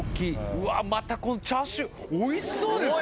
うわっまたこのチャーシューおいしそうですね！